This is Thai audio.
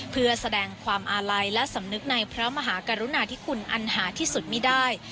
เพื่อแสดงความอาลัยและสำนึกในพระมหากรุณาธิคุณอันหาที่สุดไม่ได้